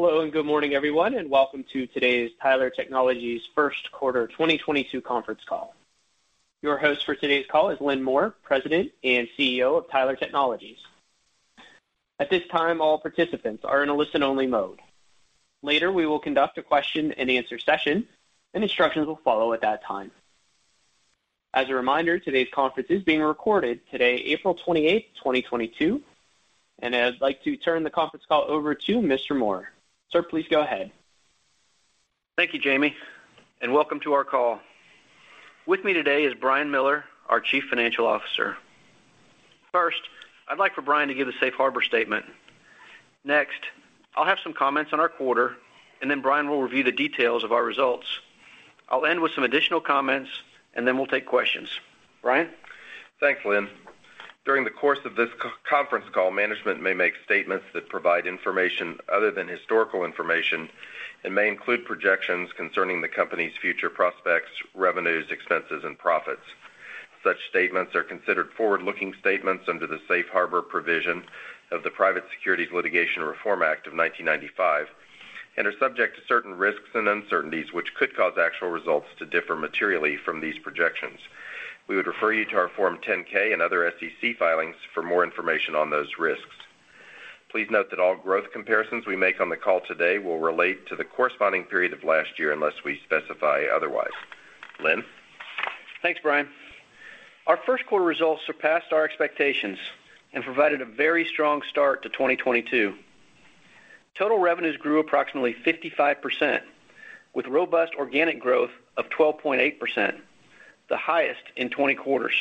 Hello, and good morning, everyone, and welcome to today's Tyler Technologies first quarter 2022 conference call. Your host for today's call is Lynn Moore, President and CEO of Tyler Technologies. At this time, all participants are in a listen-only mode. Later, we will conduct a question-and-answer session, and instructions will follow at that time. As a reminder, today's conference is being recorded today, April 28, 2022, and I'd like to turn the conference call over to Mr. Moore. Sir, please go ahead. Thank you, Jamie, and welcome to our call. With me today is Brian Miller, our Chief Financial Officer. First, I'd like for Brian to give a safe harbor statement. Next, I'll have some comments on our quarter, and then Brian will review the details of our results. I'll end with some additional comments, and then we'll take questions. Brian? Thanks, Lynn. During the course of this conference call, management may make statements that provide information other than historical information and may include projections concerning the company's future prospects, revenues, expenses, and profits. Such statements are considered forward-looking statements under the Safe Harbor provision of the Private Securities Litigation Reform Act of 1995 and are subject to certain risks and uncertainties, which could cause actual results to differ materially from these projections. We would refer you to our Form 10-K and other SEC filings for more information on those risks. Please note that all growth comparisons we make on the call today will relate to the corresponding period of last year unless we specify otherwise. Lynn. Thanks, Brian. Our first quarter results surpassed our expectations and provided a very strong start to 2022. Total revenues grew approximately 55% with robust organic growth of 12.8%, the highest in 20 quarters.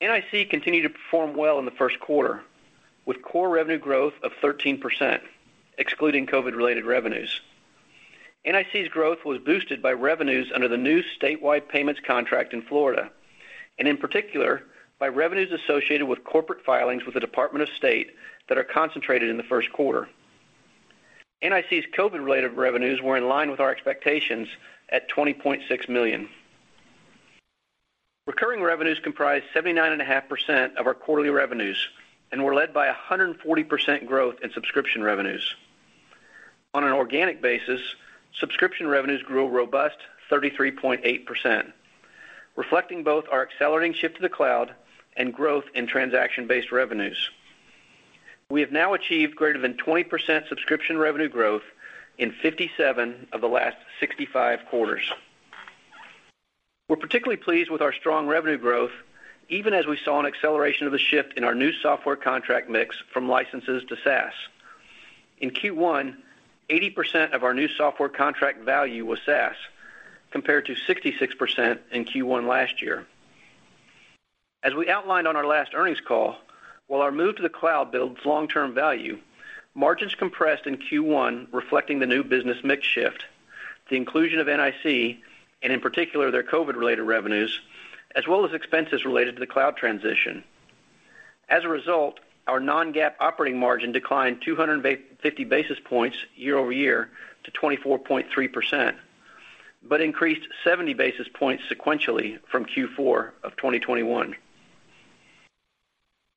NIC continued to perform well in the first quarter with core revenue growth of 13%, excluding COVID-related revenues. NIC's growth was boosted by revenues under the new statewide payments contract in Florida, and in particular, by revenues associated with corporate filings with the Department of State that are concentrated in the first quarter. NIC's COVID-related revenues were in line with our expectations at $20.6 million. Recurring revenues comprised 79.5% of our quarterly revenues and were led by 140% growth in subscription revenues. On an organic basis, subscription revenues grew a robust 33.8%, reflecting both our accelerating shift to the cloud and growth in transaction-based revenues. We have now achieved greater than 20% subscription revenue growth in 57 quarters of the last 65 quarters. We're particularly pleased with our strong revenue growth, even as we saw an acceleration of the shift in our new software contract mix from licenses to SaaS. In Q1, 80% of our new software contract value was SaaS, compared to 66% in Q1 last year. As we outlined on our last earnings call, while our move to the cloud builds long-term value, margins compressed in Q1, reflecting the new business mix shift, the inclusion of NIC, and in particular, their COVID-related revenues, as well as expenses related to the cloud transition. As a result, our non-GAAP operating margin declined 250 basis points year over year to 24.3%, but increased 70 basis points sequentially from Q4 of 2021.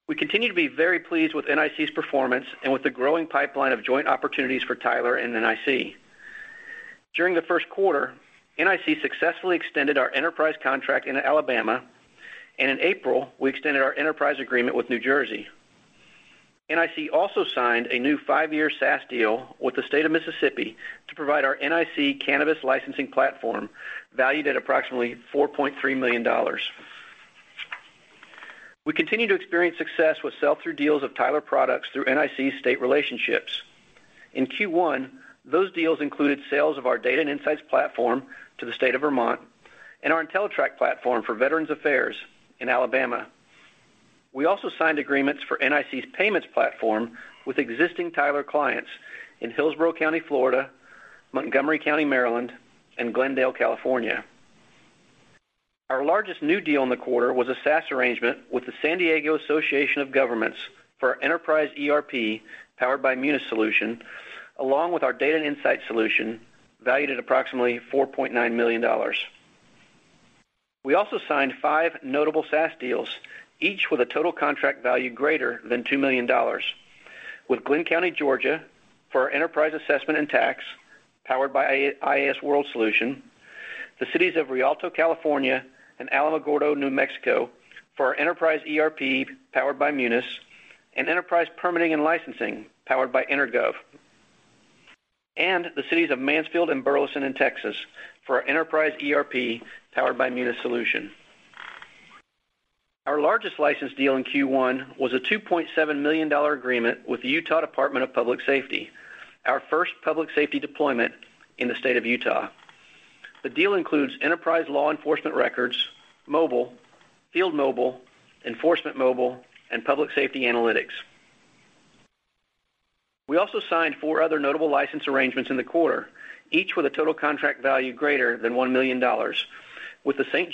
We continue to be very pleased with NIC's performance and with the growing pipeline of joint opportunities for Tyler and NIC. During the first quarter, NIC successfully extended our enterprise contract in Alabama, and in April, we extended our enterprise agreement with New Jersey. NIC also signed a new five-year SaaS deal with the State of Mississippi to provide our NIC cannabis licensing platform, valued at approximately $4.3 million. We continue to experience success with sell-through deals of Tyler products through NIC state relationships. In Q1, those deals included sales of our Data and Insights platform to the State of Vermont and our Entellitrak platform for Veterans Affairs in Alabama. We also signed agreements for NIC's payments platform with existing Tyler clients in Hillsborough County, Florida, Montgomery County, Maryland, and Glendale, California. Our largest new deal in the quarter was a SaaS arrangement with the San Diego Association of Governments for our Enterprise ERP, powered by Munis solution, along with our Data and Insights solution, valued at approximately $4.9 million. We also signed five notable SaaS deals, each with a total contract value greater than $2 million. With Glynn County, Georgia, for our Enterprise Assessment and Tax, powered by iasWorld solution, the cities of Rialto, California, and Alamogordo, New Mexico, for our Enterprise ERP, powered by Munis, and Enterprise Permitting and Licensing, powered by EnerGov, and the cities of Mansfield and Burleson in Texas for our Enterprise ERP, powered by Munis solution. Our largest license deal in Q1 was a $2.7 million agreement with the Utah Department of Public Safety, our first public safety deployment in the state of Utah. The deal includes Enterprise Law Enforcement Records, Mobile, Field Mobile, Enforcement Mobile, and Public Safety Analytics. We also signed four other notable license arrangements in the quarter, each with a total contract value greater than $1 million. With the St.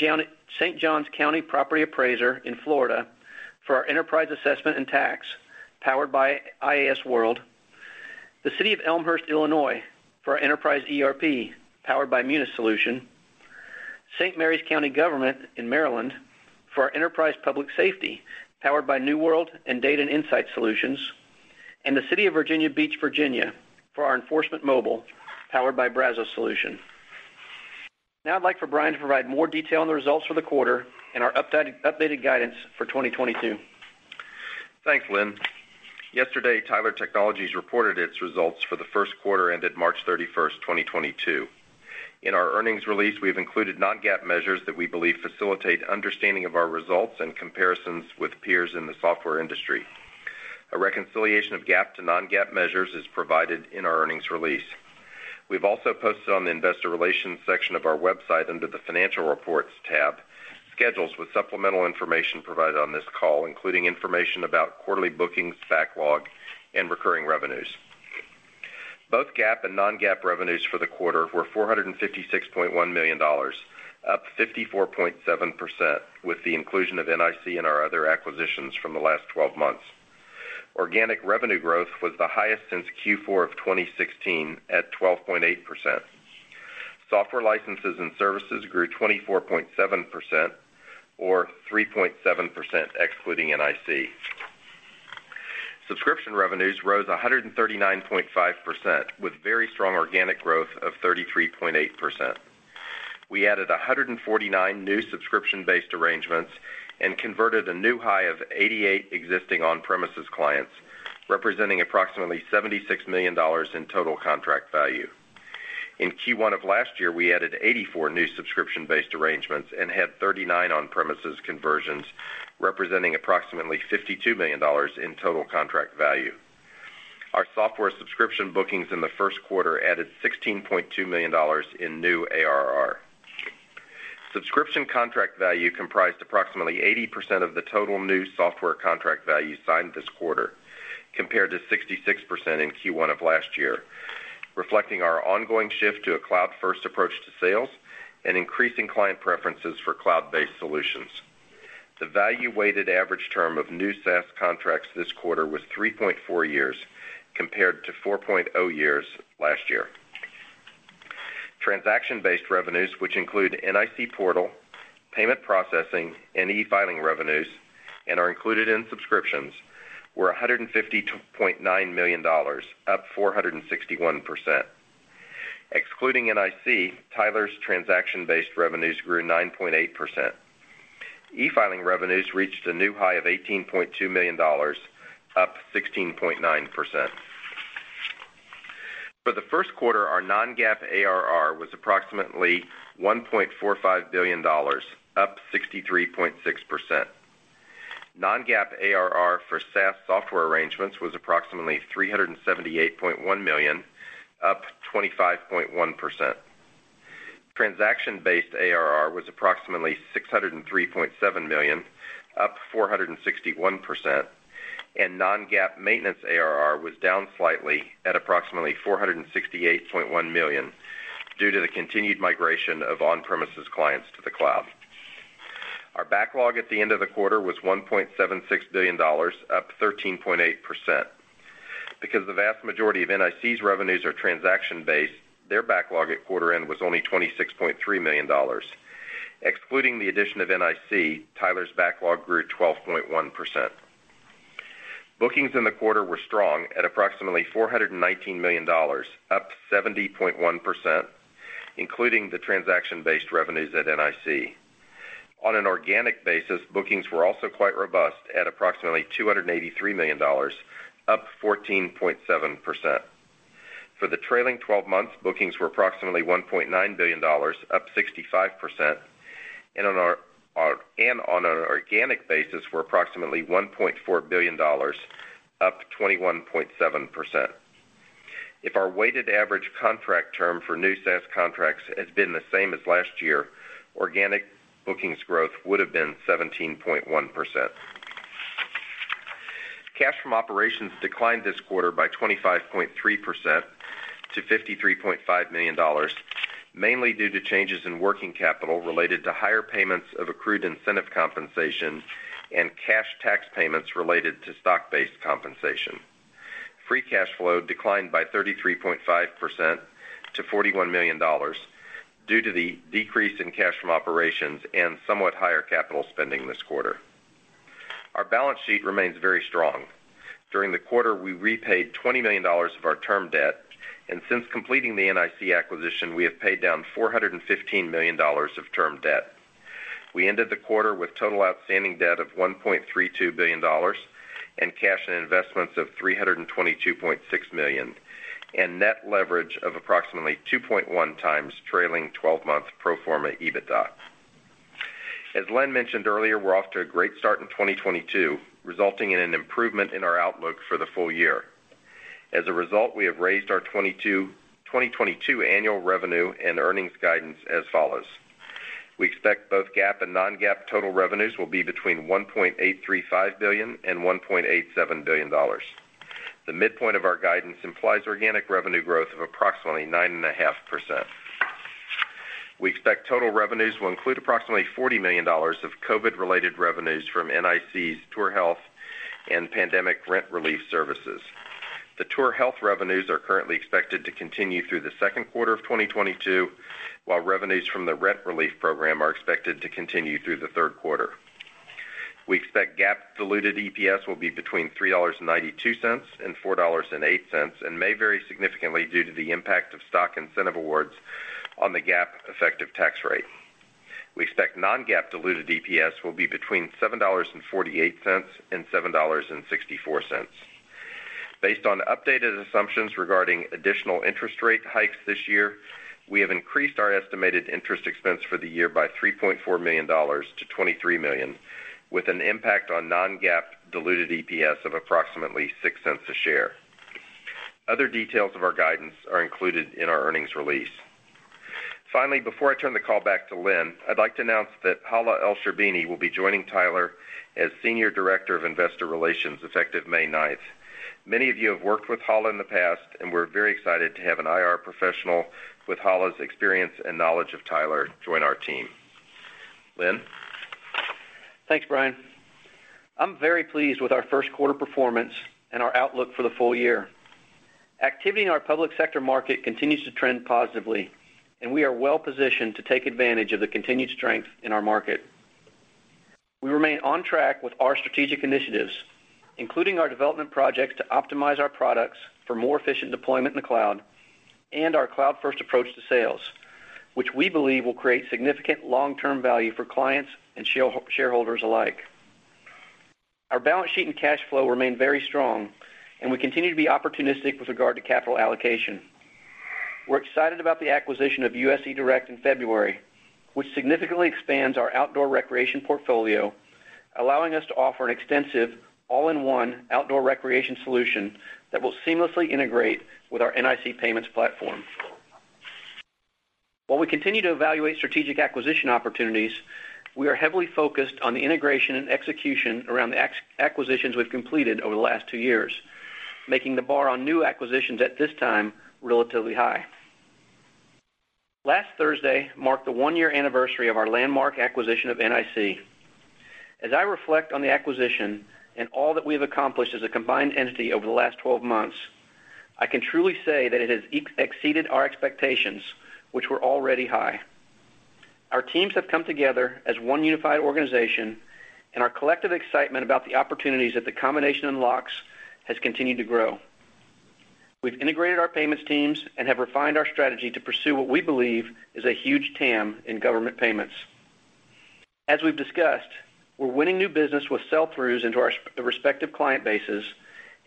Johns County Property Appraiser in Florida for our Enterprise Assessment & Tax, powered by iasWorld, the City of Elmhurst, Illinois, for our Enterprise ERP, powered by Munis solution, St. Mary's County Government in Maryland for our enterprise public safety, powered by New World and Data and Insights, and the City of Virginia Beach, Virginia, for our enforcement mobile, powered by Brazos Solution. Now I'd like for Brian to provide more detail on the results for the quarter and our updated guidance for 2022. Thanks, Lynn. Yesterday, Tyler Technologies reported its results for the first quarter ended March 31, 2022. In our earnings release, we've included non-GAAP measures that we believe facilitate understanding of our results and comparisons with peers in the software industry. A reconciliation of GAAP to non-GAAP measures is provided in our earnings release. We've also posted on the investor relations section of our website under the financial reports tab, schedules with supplemental information provided on this call, including information about quarterly bookings, backlog, and recurring revenues. Both GAAP and non-GAAP revenues for the quarter were $456.1 million, up 54.7% with the inclusion of NIC and our other acquisitions from the last 12 months. Organic revenue growth was the highest since Q4 of 2016 at 12.8%. Software licenses and services grew 24.7% or 3.7% excluding NIC. Subscription revenues rose 139.5% with very strong organic growth of 33.8%. We added 149 new subscription-based arrangements and converted a new high of 88 existing on-premises clients, representing approximately $76 million in total contract value. In Q1 of last year, we added 84 new subscription-based arrangements and had 39 on-premises conversions, representing approximately $52 million in total contract value. Our software subscription bookings in the first quarter added $16.2 million in new ARR. Subscription contract value comprised approximately 80% of the total new software contract value signed this quarter, compared to 66% in Q1 of last year, reflecting our ongoing shift to a cloud-first approach to sales and increasing client preferences for cloud-based solutions. The value-weighted average term of new SaaS contracts this quarter was 3.4 years, compared to 4.0 years last year. Transaction-based revenues, which include NIC portal, payment processing, and e-filing revenues, and are included in subscriptions, were $150.9 million, up 461%. Excluding NIC, Tyler's transaction-based revenues grew 9.8%. E-filing revenues reached a new high of $18.2 million, up 16.9%. For the first quarter, our non-GAAP ARR was approximately $1.45 billion, up 63.6%. Non-GAAP ARR for SaaS software arrangements was approximately $378.1 million, up 25.1%. Transaction-based ARR was approximately $603.7 million, up 461%, and non-GAAP maintenance ARR was down slightly at approximately $468.1 million due to the continued migration of on-premises clients to the cloud. Our backlog at the end of the quarter was $1.76 billion, up 13.8%. Because the vast majority of NIC's revenues are transaction-based, their backlog at quarter end was only $26.3 million. Excluding the addition of NIC, Tyler's backlog grew 12.1%. Bookings in the quarter were strong at approximately $419 million, up 70.1%, including the transaction-based revenues at NIC. On an organic basis, bookings were also quite robust at approximately $283 million, up 14.7%. For the trailing twelve months, bookings were approximately $1.9 billion, up 65%, and on an organic basis were approximately $1.4 billion, up 21.7%. If our weighted average contract term for new SaaS contracts had been the same as last year, organic bookings growth would have been 17.1%. Cash from operations declined this quarter by 25.3% to $53.5 million, mainly due to changes in working capital related to higher payments of accrued incentive compensation and cash tax payments related to stock-based compensation. Free cash flow declined by 33.5% to $41 million due to the decrease in cash from operations and somewhat higher capital spending this quarter. Our balance sheet remains very strong. During the quarter, we repaid $20 million of our term debt, and since completing the NIC acquisition, we have paid down $415 million of term debt. We ended the quarter with total outstanding debt of $1.32 billion and cash and investments of $322.6 million, and net leverage of approximately 2.1x trailing twelve-month pro forma EBITDA. As Lynn mentioned earlier, we're off to a great start in 2022, resulting in an improvement in our outlook for the full year. As a result, we have raised our 2022 annual revenue and earnings guidance as follows. We expect both GAAP and non-GAAP total revenues will be between $1.835 billion and $1.87 billion. The midpoint of our guidance implies organic revenue growth of approximately 9.5%. We expect total revenues will include approximately $40 million of COVID-related revenues from NIC's TourHealth and pandemic rent relief services. The TourHealth revenues are currently expected to continue through the second quarter of 2022, while revenues from the rent relief program are expected to continue through the third quarter. We expect GAAP diluted EPS will be between $3.92 and $4.08, and may vary significantly due to the impact of stock incentive awards on the GAAP effective tax rate. We expect non-GAAP diluted EPS will be between $7.48 and $7.64. Based on updated assumptions regarding additional interest rate hikes this year, we have increased our estimated interest expense for the year by $3.4 million-$23 million, with an impact on non-GAAP diluted EPS of approximately $0.06 a share. Other details of our guidance are included in our earnings release. Finally, before I turn the call back to Lynn, I'd like to announce that Hala Elsherbini will be joining Tyler as Senior Director of Investor Relations effective May ninth. Many of you have worked with Hala in the past, and we're very excited to have an IR professional with Hala's experience and knowledge of Tyler join our team. Lynn? Thanks, Brian. I'm very pleased with our first quarter performance and our outlook for the full year. Activity in our public sector market continues to trend positively, and we are well positioned to take advantage of the continued strength in our market. We remain on track with our strategic initiatives, including our development projects to optimize our products for more efficient deployment in the cloud and our cloud-first approach to sales, which we believe will create significant long-term value for clients and shareholders alike. Our balance sheet and cash flow remain very strong, and we continue to be opportunistic with regard to capital allocation. We're excited about the acquisition of U.S. eDirect in February, which significantly expands our outdoor recreation portfolio, allowing us to offer an extensive all-in-one outdoor recreation solution that will seamlessly integrate with our NIC payments platform. While we continue to evaluate strategic acquisition opportunities, we are heavily focused on the integration and execution around the acquisitions we've completed over the last two years, making the bar on new acquisitions at this time relatively high. Last Thursday marked the one-year anniversary of our landmark acquisition of NIC. As I reflect on the acquisition and all that we have accomplished as a combined entity over the last 12 months, I can truly say that it has exceeded our expectations, which were already high. Our teams have come together as one unified organization, and our collective excitement about the opportunities that the combination unlocks has continued to grow. We've integrated our payments teams and have refined our strategy to pursue what we believe is a huge TAM in government payments. As we've discussed, we're winning new business with sell-throughs into our the respective client bases,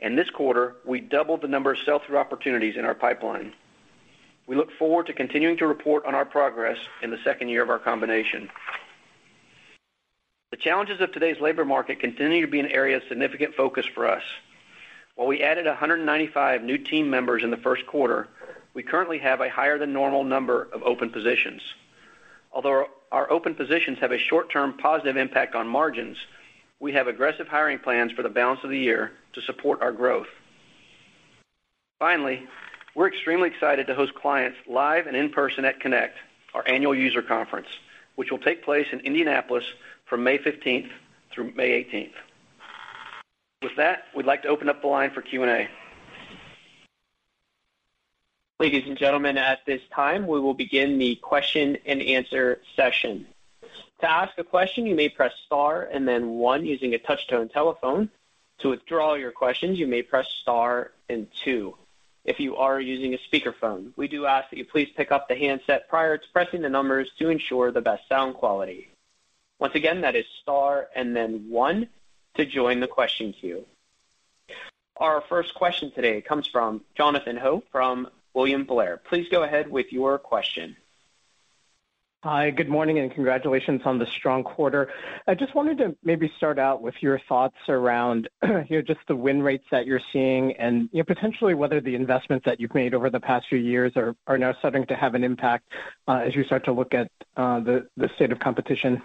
and this quarter, we doubled the number of sell-through opportunities in our pipeline. We look forward to continuing to report on our progress in the second year of our combination. The challenges of today's labor market continue to be an area of significant focus for us. While we added 195 new team members in the first quarter, we currently have a higher than normal number of open positions. Although our open positions have a short-term positive impact on margins, we have aggressive hiring plans for the balance of the year to support our growth. Finally, we're extremely excited to host clients live and in person at Connect, our annual user conference, which will take place in Indianapolis from May 15th through May 18th. With that, we'd like to open up the line for Q&A. Ladies and gentlemen, at this time, we will begin the question-and-answer session. To ask a question, you may press star and then one using a touch-tone telephone. To withdraw your questions, you may press star and two. If you are using a speakerphone, we do ask that you please pick up the handset prior to pressing the numbers to ensure the best sound quality. Once again, that is star and then one to join the question queue. Our first question today comes from Jonathan Ho from William Blair. Please go ahead with your question. Hi, good morning, and congratulations on the strong quarter. I just wanted to maybe start out with your thoughts around, you know, just the win rates that you're seeing and, you know, potentially whether the investments that you've made over the past few years are now starting to have an impact, as you start to look at the state of competition.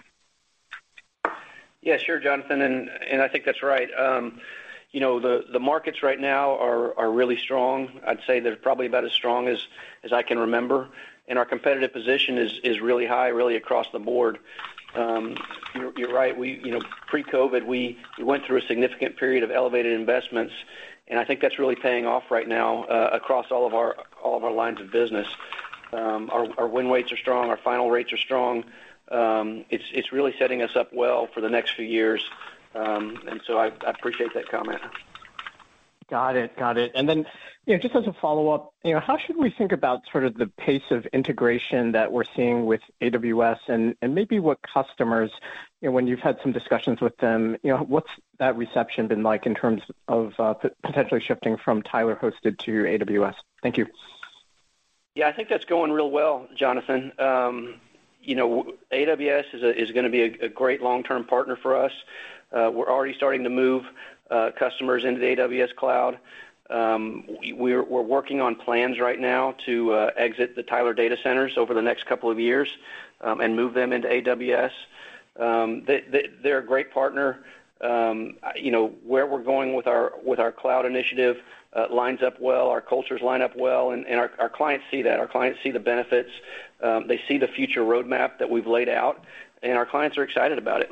Yeah, sure, Jonathan, I think that's right. You know, the markets right now are really strong. I'd say they're probably about as strong as I can remember. Our competitive position is really high, really across the board. You're right, you know, pre-COVID, we went through a significant period of elevated investments, and I think that's really paying off right now, across all of our lines of business. Our win rates are strong, our final rates are strong. It's really setting us up well for the next few years. I appreciate that comment. Got it. You know, just as a follow-up, you know, how should we think about sort of the pace of integration that we're seeing with AWS and maybe what customers, you know, when you've had some discussions with them, you know, what's that reception been like in terms of potentially shifting from Tyler hosted to AWS? Thank you. Yeah. I think that's going real well, Jonathan. You know, AWS is gonna be a great long-term partner for us. We're already starting to move customers into the AWS cloud. We're working on plans right now to exit the Tyler data centers over the next couple of years, and move them into AWS. They're a great partner. You know, where we're going with our cloud initiative lines up well, our cultures line up well, and our clients see that. Our clients see the benefits. They see the future roadmap that we've laid out, and our clients are excited about it.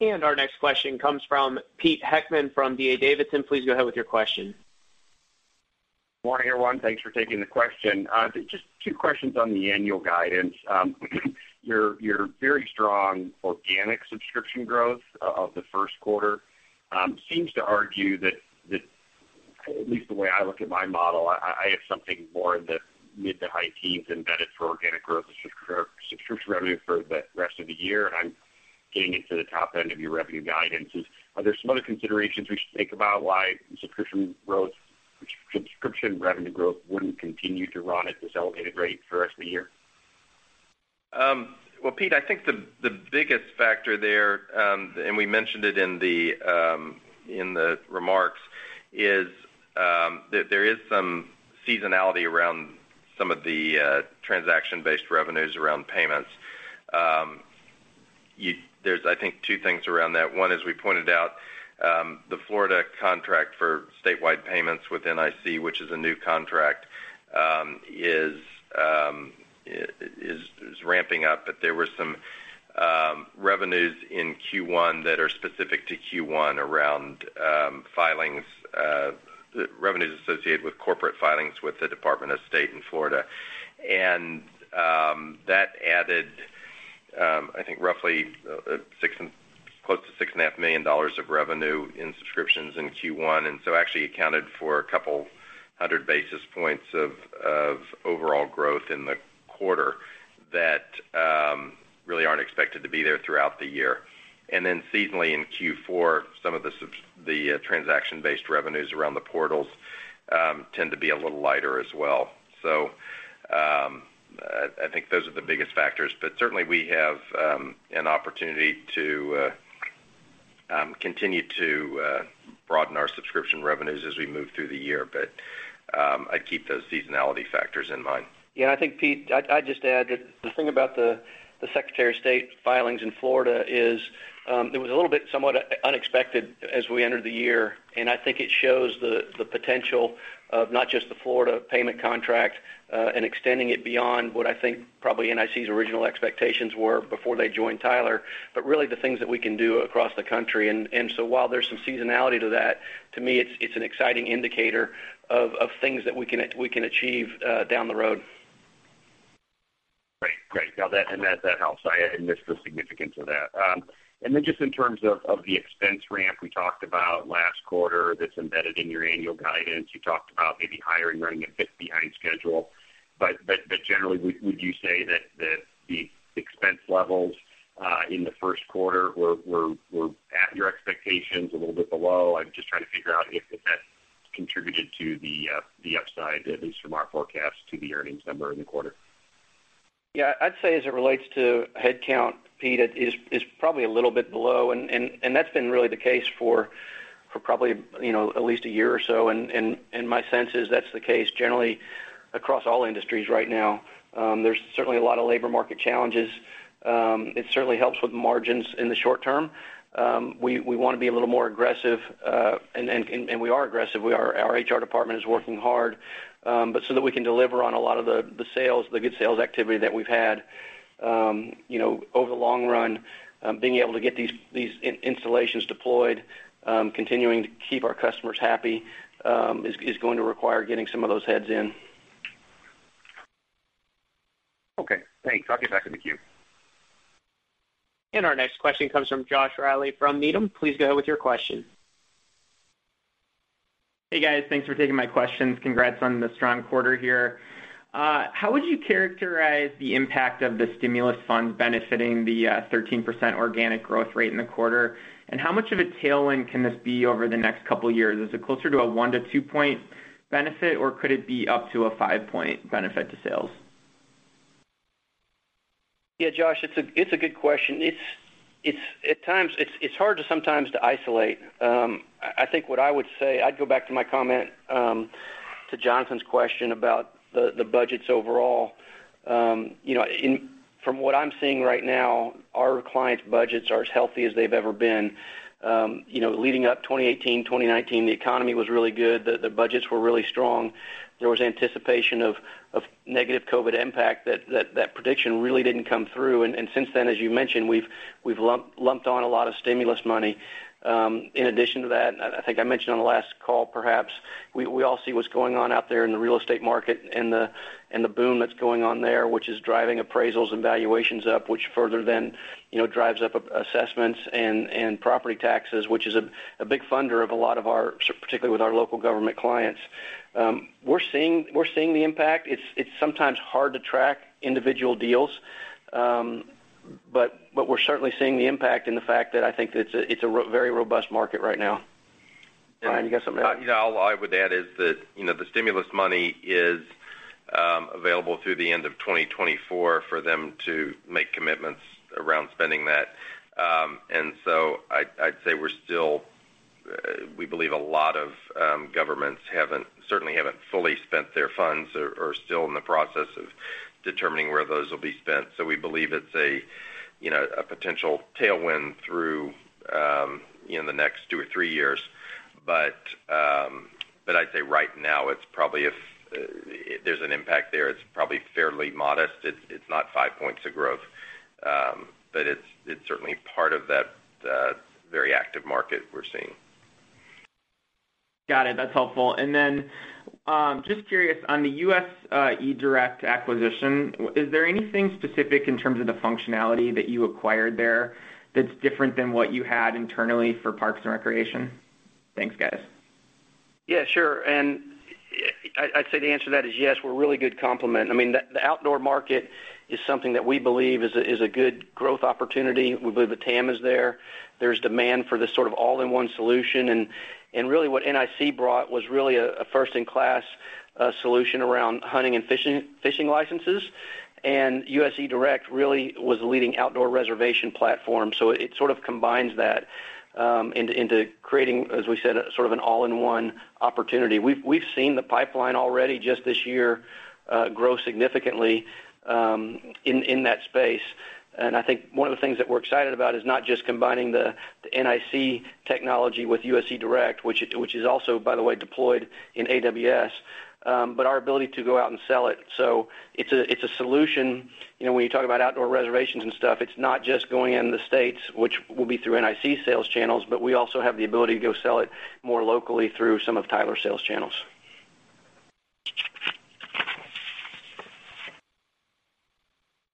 Our next question comes from Peter Heckmann from D.A. Davidson. Please go ahead with your question. Morning, everyone. Thanks for taking the question. Just two questions on the annual guidance. Your very strong organic subscription growth of the first quarter seems to argue that at least the way I look at my model, I have something more in the mid to high teens embedded for organic growth and subscription revenue for the rest of the year. I'm getting into the top end of your revenue guidances. Are there some other considerations we should think about why subscription revenue growth wouldn't continue to run at this elevated rate for the rest of the year? Well, Pete, I think the biggest factor there, and we mentioned it in the remarks, is that there is some seasonality around some of the transaction-based revenues around payments. There's, I think, two things around that. One, as we pointed out, the Florida contract for statewide payments with NIC, which is a new contract, is ramping up. But there were some revenues in Q1 that are specific to Q1 around filings revenues associated with corporate filings with the Department of State in Florida. That added, I think roughly close to $6.5 million of revenue in subscriptions in Q1, and actually accounted for 200 basis points of overall growth in the quarter that really aren't expected to be there throughout the year. Then seasonally in Q4, the transaction-based revenues around the portals tend to be a little lighter as well. I think those are the biggest factors. Certainly we have an opportunity to continue to broaden our subscription revenues as we move through the year. I'd keep those seasonality factors in mind. Yeah, I think, Pete, I'd just add that the thing about the Florida Department of State filings in Florida is, it was a little bit somewhat unexpected as we entered the year, and I think it shows the potential of not just the Florida payment contract, and extending it beyond what I think probably NIC's original expectations were before they joined Tyler, but really the things that we can do across the country. While there's some seasonality to that, to me it's an exciting indicator of things that we can achieve down the road. Great. Now that and that helps. I had missed the significance of that. Just in terms of the expense ramp we talked about last quarter that's embedded in your annual guidance, you talked about maybe hiring running a bit behind schedule. Generally, would you say that the expense levels in the first quarter were at your expectations a little bit below? I'm just trying to figure out if that has contributed to the upside, at least from our forecast to the earnings number in the quarter. Yeah. I'd say as it relates to headcount, Pete, it is probably a little bit below, and that's been really the case for probably, you know, at least a year or so. My sense is that's the case generally across all industries right now. There's certainly a lot of labor market challenges. It certainly helps with margins in the short term. We wanna be a little more aggressive, and we are aggressive. Our HR department is working hard, but so that we can deliver on a lot of the sales, the good sales activity that we've had. You know, over the long run, being able to get these installations deployed, continuing to keep our customers happy, is going to require getting some of those heads in. Okay, thanks. I'll get back in the queue. Our next question comes from Josh Reilly from Needham. Please go ahead with your question. Hey, guys. Thanks for taking my questions. Congrats on the strong quarter here. How would you characterize the impact of the stimulus funds benefiting the 13% organic growth rate in the quarter? And how much of a tailwind can this be over the next couple of years? Is it closer to a one -two-point benefit, or could it be up to a five-point benefit to sales? Yeah, Josh, it's a good question. At times, it's hard sometimes to isolate. I think what I would say, I'd go back to my comment to Jonathan's question about the budgets overall. From what I'm seeing right now, our clients' budgets are as healthy as they've ever been. You know, leading up 2018, 2019, the economy was really good. The budgets were really strong. There was anticipation of negative COVID impact that prediction really didn't come through. Since then, as you mentioned, we've lumped on a lot of stimulus money. In addition to that, I think I mentioned on the last call, perhaps, we all see what's going on out there in the real estate market and the boom that's going on there, which is driving appraisals and valuations up, which further then, you know, drives up assessments and property taxes, which is a big funder of a lot of our, so particularly with our local government clients. We're seeing the impact. It's sometimes hard to track individual deals. We're certainly seeing the impact and the fact that I think it's a very robust market right now. Brian, you got something to add? Yeah. All I would add is that, you know, the stimulus money is available through the end of 2024 for them to make commitments around spending that. I'd say we're still. We believe a lot of governments certainly haven't fully spent their funds or are still in the process of determining where those will be spent. We believe it's a, you know, a potential tailwind through the next two or three years. I'd say right now, it's probably if. If there's an impact there, it's probably fairly modest. It's not five points of growth. It's certainly part of that very active market we're seeing. Got it. That's helpful. Just curious on the U.S. eDirect acquisition, is there anything specific in terms of the functionality that you acquired there that's different than what you had internally for parks and recreation? Thanks, guys. Yeah, sure. I'd say the answer to that is yes, we're a really good complement. I mean, the outdoor market is something that we believe is a good growth opportunity. We believe the TAM is there. There's demand for this sort of all-in-one solution. Really what NIC brought was really a first-in-class solution around hunting and fishing licenses. U.S. eDirect really was the leading outdoor reservation platform. It sort of combines that into creating, as we said, a sort of an all-in-one opportunity. We've seen the pipeline already just this year grow significantly in that space. I think one of the things that we're excited about is not just combining the NIC technology with U.S. eDirect, which is also, by the way, deployed in AWS, but our ability to go out and sell it. It's a solution. You know, when you talk about outdoor reservations and stuff, it's not just going in the States, which will be through NIC sales channels, but we also have the ability to go sell it more locally through some of Tyler's sales channels.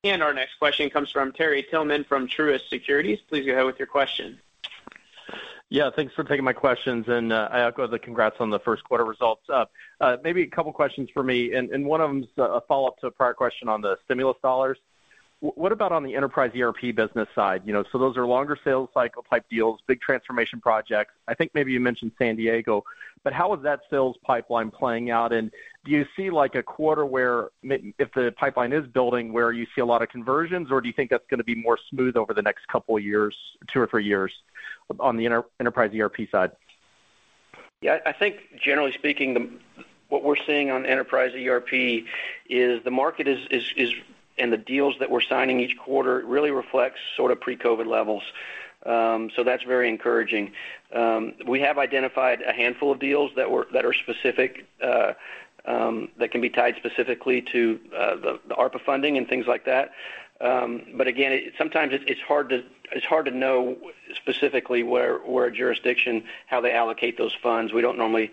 Our next question comes from Terry Tillman from Truist Securities. Please go ahead with your question. Yeah, thanks for taking my questions. I echo the congrats on the first quarter results. Maybe a couple of questions for me, and one of them is a follow-up to a prior question on the stimulus dollars. What about on the Enterprise ERP business side? You know, so those are longer sales cycle type deals, big transformation projects. I think maybe you mentioned San Diego, but how is that sales pipeline playing out? Do you see like a quarter where if the pipeline is building, where you see a lot of conversions, or do you think that's gonna be more smooth over the next couple of years, two or three years on the Enterprise ERP side? Yeah. I think generally speaking, what we're seeing on Enterprise ERP is the market is and the deals that we're signing each quarter really reflects sort of pre-COVID levels. So that's very encouraging. We have identified a handful of deals that are specific that can be tied specifically to the ARPA funding and things like that. Again, sometimes it's hard to know specifically where a jurisdiction, how they allocate those funds. We don't normally,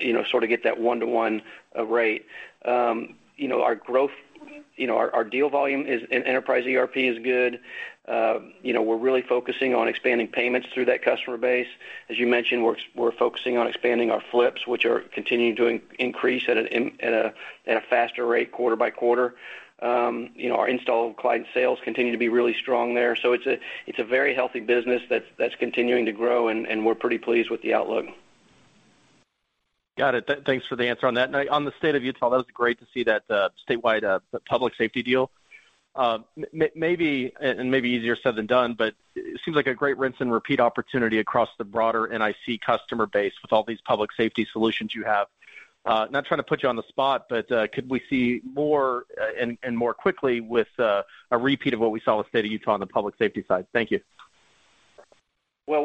you know, sort of get that one-to-one rate. You know, our growth, you know, our deal volume in Enterprise ERP is good. You know, we're really focusing on expanding payments through that customer base. As you mentioned, we're focusing on expanding our flips, which are continuing to increase at a faster rate quarter by quarter. You know, our installed client sales continue to be really strong there. It's a very healthy business that's continuing to grow, and we're pretty pleased with the outlook. Got it. Thanks for the answer on that. Now on the state of Utah, that was great to see that, statewide, public safety deal. Maybe, and maybe easier said than done, but it seems like a great rinse and repeat opportunity across the broader NIC customer base with all these public safety solutions you have. Not trying to put you on the spot, but could we see more, and more quickly with, a repeat of what we saw with state of Utah on the public safety side? Thank you. Well,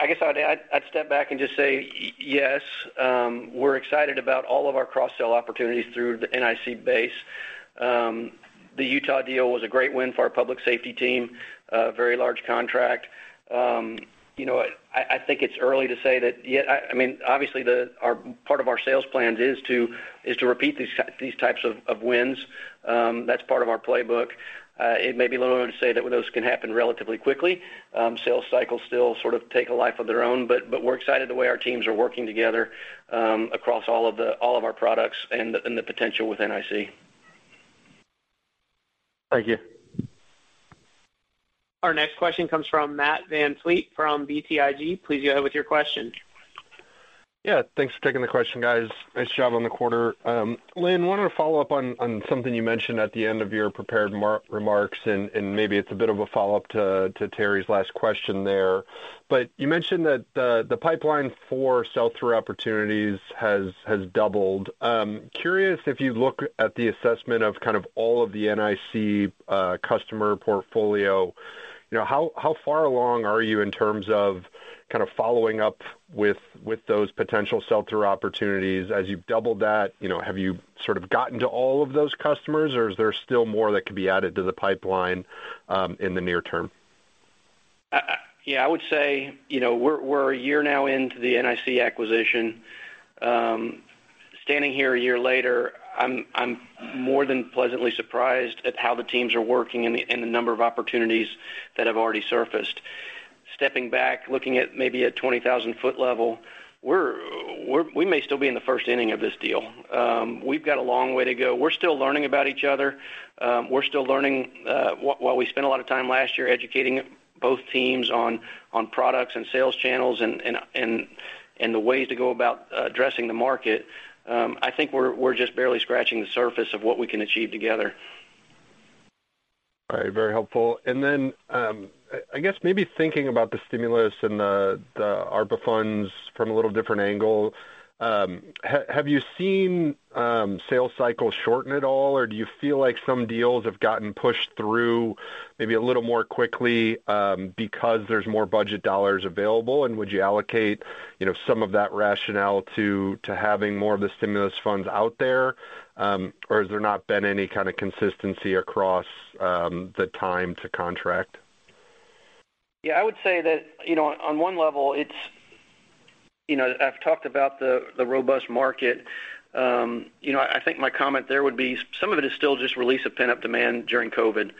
I guess I'd step back and just say yes. We're excited about all of our cross-sell opportunities through the NIC base. The Utah deal was a great win for our public safety team, a very large contract. You know, I think it's early to say that yet. I mean, obviously, part of our sales plans is to repeat these types of wins. That's part of our playbook. It may be a little early to say that those can happen relatively quickly. Sales cycles still sort of take a life of their own, but we're excited the way our teams are working together, across all of our products and the potential with NIC. Thank you. Our next question comes from Matt VanVliet from BTIG. Please go ahead with your question. Yeah, thanks for taking the question, guys. Nice job on the quarter. Lynn, wanted to follow up on something you mentioned at the end of your prepared remarks, and maybe it's a bit of a follow-up to Terry's last question there. You mentioned that the pipeline for sell-through opportunities has doubled. Curious if you look at the assessment of kind of all of the NIC customer portfolio, you know, how far along are you in terms of kinda following up with those potential sell-through opportunities? As you've doubled that, you know, have you sort of gotten to all of those customers, or is there still more that could be added to the pipeline in the near term? Yeah, I would say, you know, we're a year now into the NIC acquisition. Standing here a year later, I'm more than pleasantly surprised at how the teams are working and the number of opportunities that have already surfaced. Stepping back, looking at maybe a 20,000-foot level, we may still be in the first inning of this deal. We've got a long way to go. We're still learning about each other. We're still learning while we spent a lot of time last year educating both teams on products and sales channels and the ways to go about addressing the market. I think we're just barely scratching the surface of what we can achieve together. All right, very helpful. I guess maybe thinking about the stimulus and the ARPA funds from a little different angle, have you seen sales cycles shorten at all, or do you feel like some deals have gotten pushed through maybe a little more quickly because there's more budget dollars available? Would you allocate, you know, some of that rationale to having more of the stimulus funds out there, or has there not been any kinda consistency across the time to contract? Yeah, I would say that, you know, on one level it's, you know, I've talked about the robust market. You know, I think my comment there would be some of it is still just release of pent-up demand during COVID.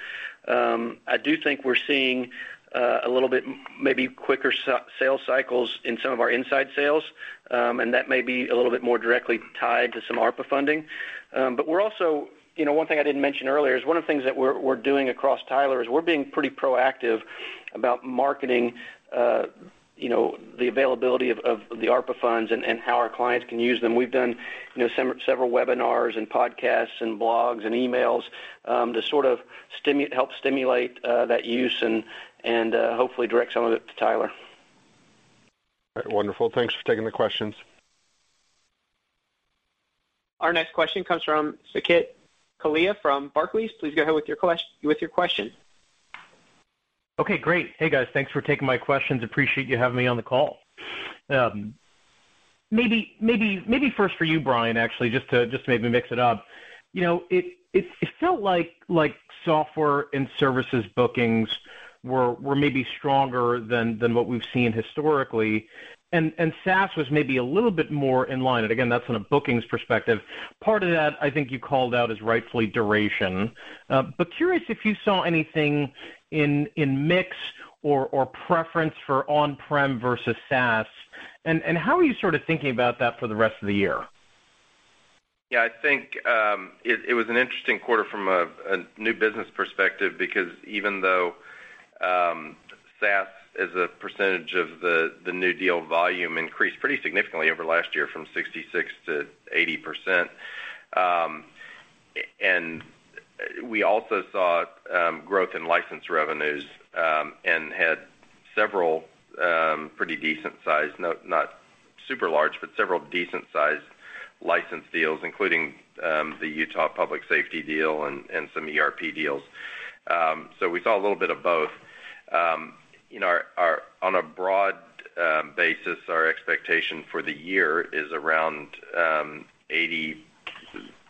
I do think we're seeing a little bit maybe quicker sales cycles in some of our inside sales, and that may be a little bit more directly tied to some ARPA funding. But we're also, you know, one thing I didn't mention earlier is one of the things that we're doing across Tyler is we're being pretty proactive about marketing, you know, the availability of the ARPA funds and how our clients can use them. We've done, you know, several webinars and podcasts and blogs and emails, to sort of stimulate that use and hopefully direct some of it to Tyler. All right. Wonderful. Thanks for taking the questions. Our next question comes from Saket Kalia from Barclays. Please go ahead with your question. Okay, great. Hey, guys. Thanks for taking my questions. Appreciate you having me on the call. Maybe first for you, Brian, actually, just to maybe mix it up. You know, it felt like software and services bookings were maybe stronger than what we've seen historically. SaaS was maybe a little bit more in line, and again, that's in a bookings perspective. Part of that, I think you called out, is rightfully duration. Curious if you saw anything in mix or preference for on-prem versus SaaS. How are you sort of thinking about that for the rest of the year? Yeah, I think it was an interesting quarter from a new business perspective because even though SaaS as a percentage of the new deal volume increased pretty significantly over last year from 66%-80%. We also saw growth in license revenues and had several pretty decent sized, not super large, but several decent sized license deals, including the Utah Public Safety deal and some ERP deals. We saw a little bit of both. You know, on a broad basis, our expectation for the year is around 80%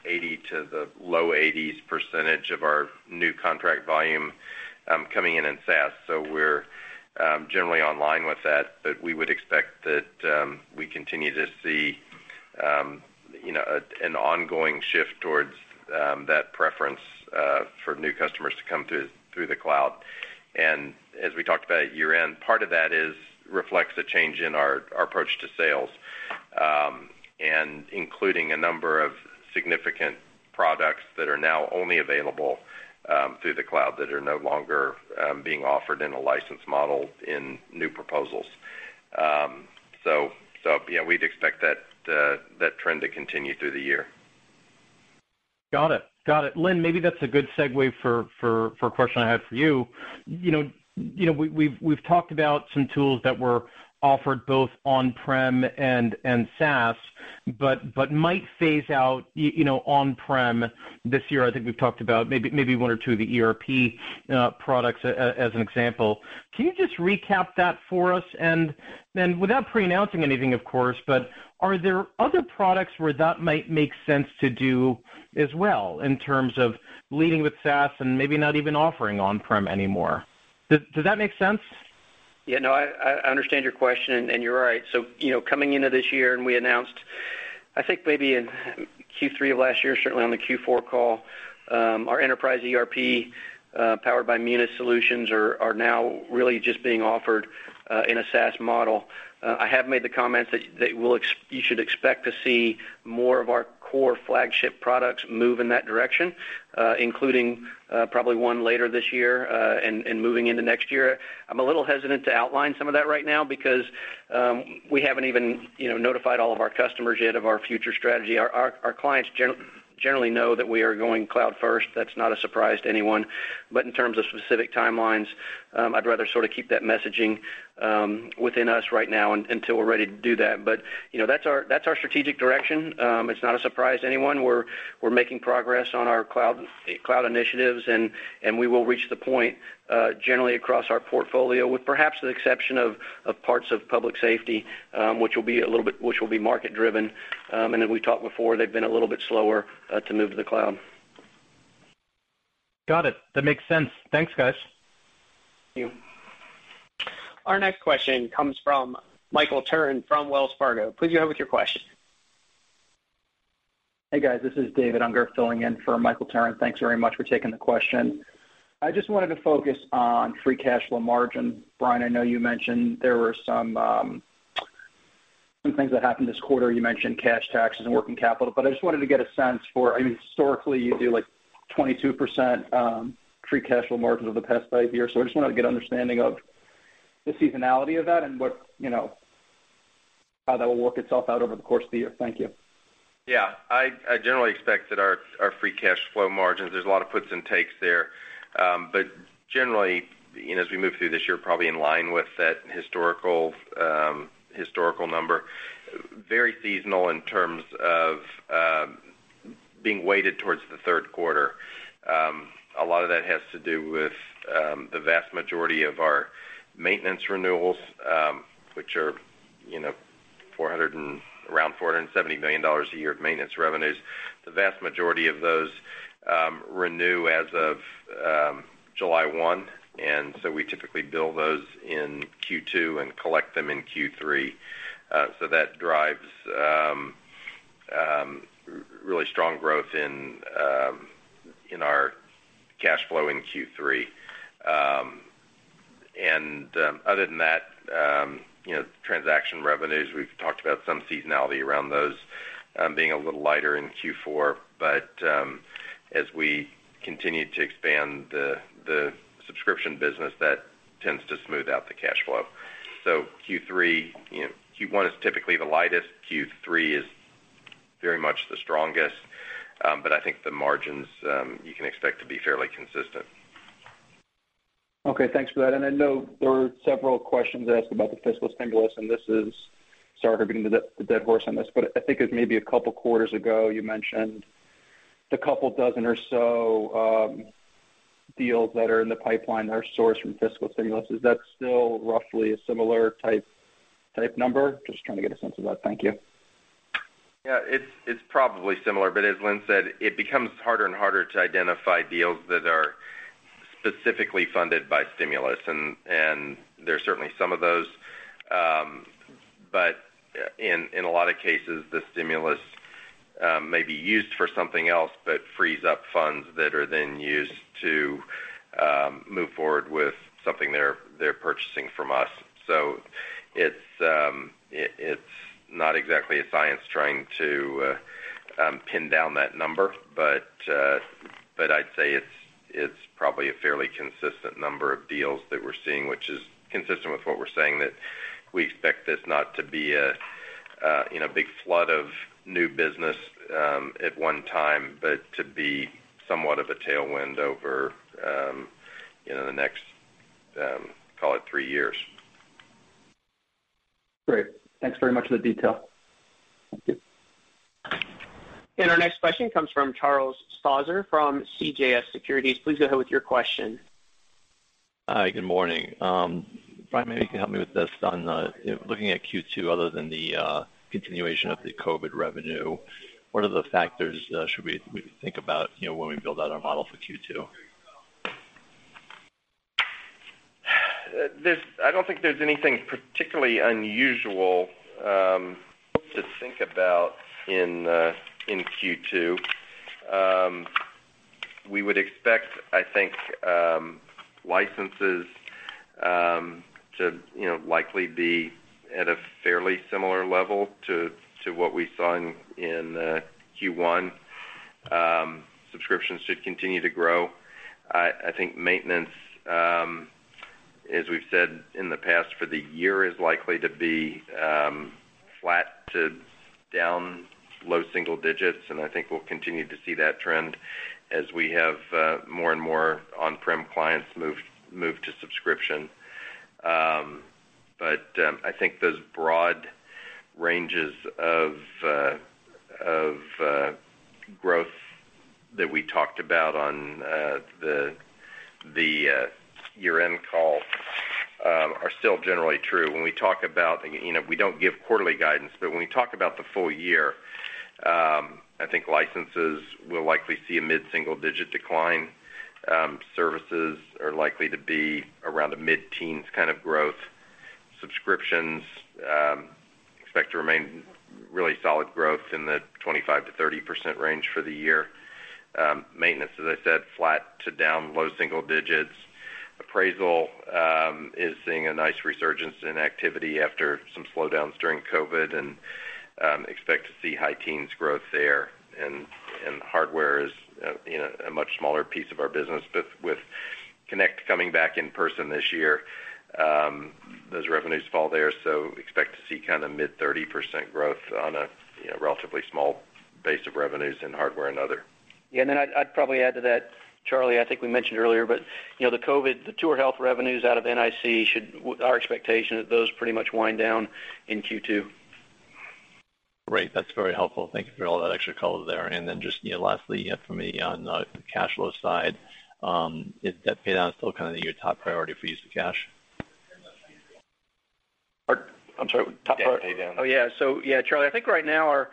to the low 80s% of our new contract volume coming in as SaaS. We're generally online with that, but we would expect that we continue to see you know an ongoing shift towards that preference for new customers to come through the cloud. As we talked about at year-end, part of that is reflects a change in our approach to sales and including a number of significant products that are now only available through the cloud, that are no longer being offered in a license model in new proposals. Yeah, we'd expect that trend to continue through the year. Got it. Lynn, maybe that's a good segue for a question I have for you. You know, we've talked about some tools that were offered both on-prem and SaaS, but might phase out you know, on-prem this year. I think we've talked about maybe one or two of the ERP products as an example. Can you just recap that for us? Without preannouncing anything, of course, but are there other products where that might make sense to do as well in terms of leading with SaaS and maybe not even offering on-prem anymore? Does that make sense? Yeah, no, I understand your question, and you're right. You know, coming into this year, and we announced, I think maybe in Q3 of last year, certainly on the Q4 call, our Enterprise ERP powered by Munis solutions are now really just being offered in a SaaS model. I have made the comments that you should expect to see more of our core flagship products move in that direction, including probably one later this year, and moving into next year. I'm a little hesitant to outline some of that right now because we haven't even, you know, notified all of our customers yet of our future strategy. Our clients generally know that we are going cloud first. That's not a surprise to anyone. In terms of specific timelines, I'd rather sort of keep that messaging within us right now until we're ready to do that. You know, that's our strategic direction. It's not a surprise to anyone. We're making progress on our cloud initiatives, and we will reach the point generally across our portfolio with perhaps the exception of parts of public safety, which will be a little bit market driven. As we talked before, they've been a little bit slower to move to the cloud. Got it. That makes sense. Thanks, guys. Thank you. Our next question comes from Michael Turrin from Wells Fargo. Please go ahead with your question. Hey, guys, this is David Unger filling in for Michael Turrin. Thanks very much for taking the question. I just wanted to focus on free cash flow margin. Brian, I know you mentioned there were some things that happened this quarter. You mentioned cash taxes and working capital, but I just wanted to get a sense for, I mean, historically, you do like 22% free cash flow margins over the past five years. I just wanted to get an understanding of the seasonality of that and what, you know, how that will work itself out over the course of the year. Thank you. Yeah. I generally expect that our free cash flow margins, there's a lot of puts and takes there. Generally, you know, as we move through this year, probably in line with that historical number. Very seasonal in terms of being weighted towards the third quarter. A lot of that has to do with the vast majority of our maintenance renewals, which are, you know, around $470 million a year of maintenance revenues. The vast majority of those renew as of July 1, and so we typically bill those in Q2 and collect them in Q3. That drives really strong growth in our cash flow in Q3. Other than that, you know, transaction revenues, we've talked about some seasonality around those, being a little lighter in Q4. As we continue to expand the subscription business, that tends to smooth out the cash flow. Q3, you know, Q1 is typically the lightest, Q3 is very much the strongest. I think the margins you can expect to be fairly consistent. Okay, thanks for that. I know there are several questions asked about the fiscal stimulus. Sorry for beating the dead horse on this, but I think it may be a couple quarters ago, you mentioned the couple dozen or so deals that are in the pipeline that are sourced from fiscal stimulus. Is that still roughly a similar type number? Just trying to get a sense of that. Thank you. Yeah, it's probably similar, but as Lynn said, it becomes harder and harder to identify deals that are specifically funded by stimulus. There are certainly some of those, but in a lot of cases, the stimulus may be used for something else, but frees up funds that are then used to move forward with something they're purchasing from us. It's not exactly a science trying to pin down that number. I'd say it's probably a fairly consistent number of deals that we're seeing, which is consistent with what we're saying that we expect this not to be a you know big flood of new business at one time, but to be somewhat of a tailwind over you know the next call it three years. Great. Thanks very much for the detail. Thank you. Our next question comes from Charles Strauzer from CJS Securities. Please go ahead with your question. Hi, good morning. Brian, maybe you can help me with this. On, you know, looking at Q2 other than the continuation of the COVID revenue, what are the factors should we think about, you know, when we build out our model for Q2? I don't think there's anything particularly unusual to think about in Q2. We would expect, I think, licenses to, you know, likely be at a fairly similar level to what we saw in Q1. Subscriptions should continue to grow. I think maintenance, as we've said in the past for the year, is likely to be flat to down low single digits, and I think we'll continue to see that trend as we have more and more on-prem clients move to subscription. I think those broad ranges of growth that we talked about on the year-end call are still generally true. When we talk about you know we don't give quarterly guidance but when we talk about the full year I think licenses will likely see a mid-single-digit decline. Services are likely to be around a mid-teens kind of growth. Subscriptions expect to remain really solid growth in the 25%-30% range for the year. Maintenance as I said flat to down low-single-digits. Appraisal is seeing a nice resurgence in activity after some slowdowns during COVID and expect to see high-teens growth there. Hardware is you know a much smaller piece of our business. But with Connect coming back in person this year those revenues fall there so expect to see kinda mid-30% growth on a you know relatively small base of revenues in hardware and other. Yeah. Then I'd probably add to that, Charlie. I think we mentioned earlier, but you know, the COVID, the TourHealth revenues out of NIC. Our expectation that those pretty much wind down in Q2. Great. That's very helpful. Thank you for all that extra color there. Just, you know, lastly for me on the cash flow side, is debt pay down still kind of your top priority for use of cash? I'm sorry. What Debt pay down. Oh, yeah. Yeah, Charles, I think right now our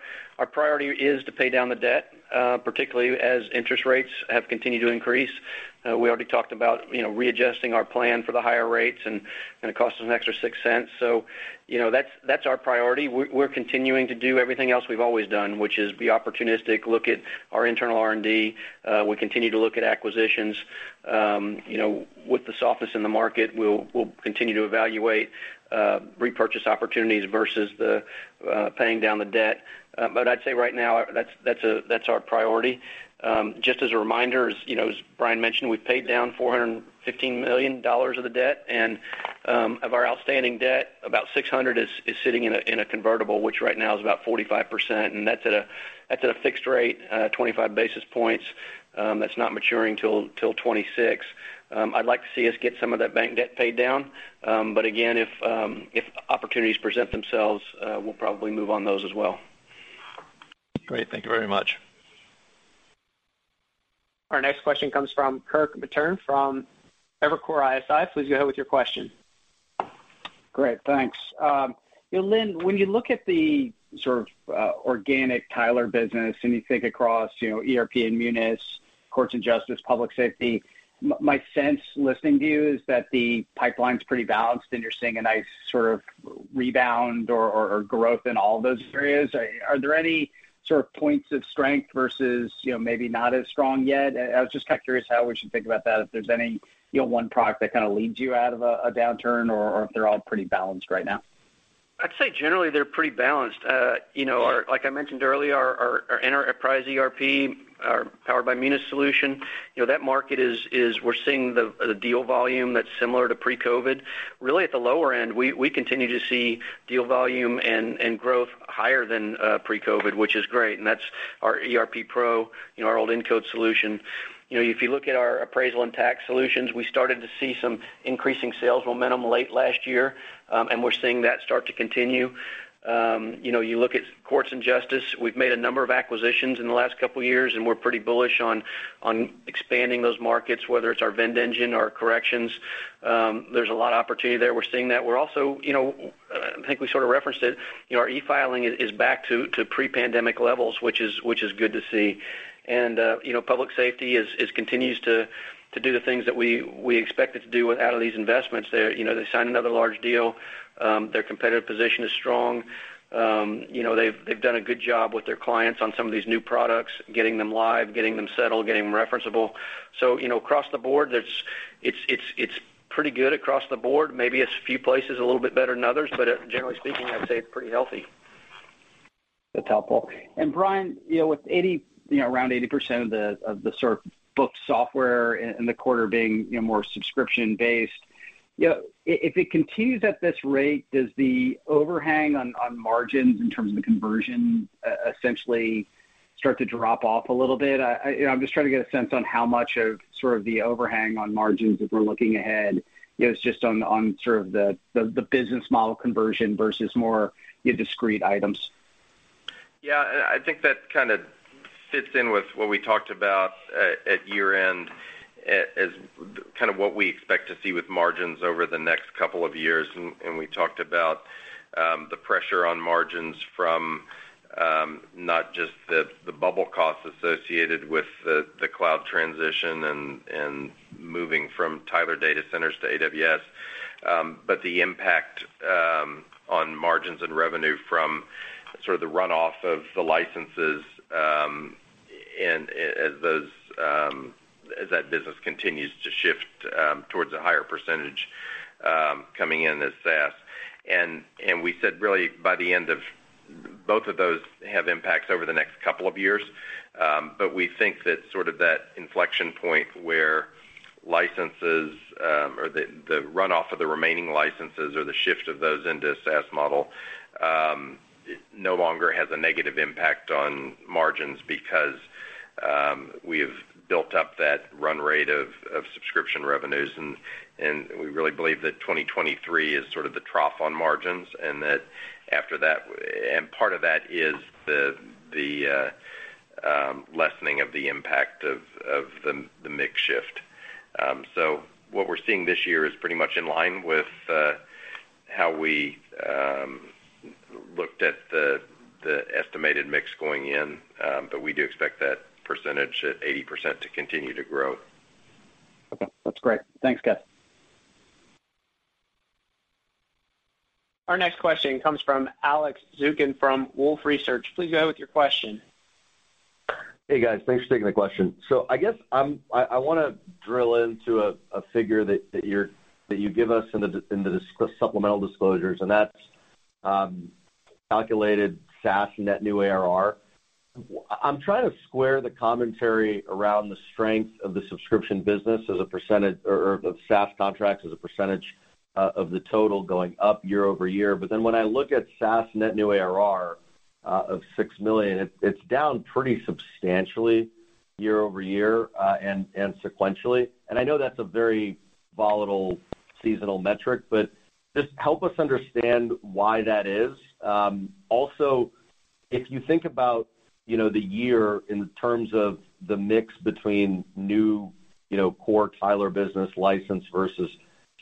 priority is to pay down the debt, particularly as interest rates have continued to increase. We already talked about, you know, readjusting our plan for the higher rates and it cost us an extra $0.06. You know, that's our priority. We're continuing to do everything else we've always done, which is be opportunistic, look at our internal R&D. We continue to look at acquisitions. You know, with the softness in the market, we'll continue to evaluate repurchase opportunities versus paying down the debt. I'd say right now that's our priority. Just as a reminder, you know, as Brian mentioned, we've paid down $415 million of the debt. Of our outstanding debt, about $600 is sitting in a convertible, which right now is about 45%. That's at a fixed rate, 25 basis points. That's not maturing till 2026. I'd like to see us get some of that bank debt paid down. Again, if opportunities present themselves, we'll probably move on those as well. Great. Thank you very much. Our next question comes from Kirk Materne from Evercore ISI. Please go ahead with your question. Great. Thanks. You know, Lynn, when you look at the sort of organic Tyler business and you think across, you know, ERP and Munis, courts and justice, public safety, my sense listening to you is that the pipeline's pretty balanced, and you're seeing a nice sort of rebound or growth in all those areas. Are there any sort of points of strength versus, you know, maybe not as strong yet? I was just kind of curious how we should think about that, if there's any, you know, one product that kind of leads you out of a downturn or if they're all pretty balanced right now. I'd say generally they're pretty balanced. You know, like I mentioned earlier, our Enterprise ERP, our Powered by Munis solution, you know, that market is we're seeing the deal volume that's similar to pre-COVID. Really at the lower end, we continue to see deal volume and growth higher than pre-COVID, which is great, and that's our ERP Pro, you know, our old Incode solution. You know, if you look at our appraisal and tax solutions, we started to see some increasing sales momentum late last year, and we're seeing that start to continue. You know, you look at courts and justice, we've made a number of acquisitions in the last couple years, and we're pretty bullish on expanding those markets, whether it's our VendEngine, our corrections. There's a lot of opportunity there. We're seeing that. We're also, you know, I think we sort of referenced it, you know, our e-filing is back to pre-pandemic levels, which is good to see. Public safety continues to do the things that we expect it to do, out of these investments. They signed another large deal. Their competitive position is strong. You know, they've done a good job with their clients on some of these new products, getting them live, getting them settled, getting them referenceable. You know, across the board, it's pretty good across the board. Maybe it's a few places a little bit better than others, but generally speaking, I'd say it's pretty healthy. That's helpful. Brian, you know, with around 80% of the sort of booked software in the quarter being more subscription-based, you know, if it continues at this rate, does the overhang on margins in terms of the conversion essentially start to drop off a little bit? I you know, I'm just trying to get a sense on how much of sort of the overhang on margins, if we're looking ahead, you know, is just on sort of the business model conversion versus more your discrete items. Yeah. I think that kind of fits in with what we talked about at year-end as kind of what we expect to see with margins over the next couple of years. We talked about the pressure on margins from not just the double costs associated with the cloud transition and moving from Tyler data centers to AWS, but the impact on margins and revenue from sort of the runoff of the licenses and those as that business continues to shift towards a higher percentage coming in as SaaS. Both of those have impacts over the next couple of years. We think that sort of that inflection point where licenses or the runoff of the remaining licenses or the shift of those into a SaaS model no longer has a negative impact on margins because we've built up that run rate of subscription revenues. We really believe that 2023 is sort of the trough on margins, and that after that. Part of that is the lessening of the impact of the mix shift. What we're seeing this year is pretty much in line with how we looked at the estimated mix going in. We do expect that percentage at 80% to continue to grow. Okay. That's great. Thanks, guys. Our next question comes from Alex Zukin from Wolfe Research. Please go ahead with your question. Hey, guys. Thanks for taking the question. I guess I want to drill into a figure that you give us in the supplemental disclosures, and that's calculated SaaS net new ARR. I'm trying to square the commentary around the strength of the subscription business as a percentage or the SaaS contracts as a percentage of the total going up year-over-year. Then when I look at SaaS net new ARR of $6 million, it's down pretty substantially year-over-year and sequentially. I know that's a very volatile seasonal metric, but just help us understand why that is. Also, if you think about, you know, the year in terms of the mix between new, you know, core Tyler business license versus